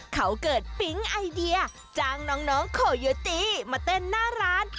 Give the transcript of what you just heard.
เขาเกิดปิ๊งไอเดียจ้างน้องโคโยตี้มาเต้นหน้าร้าน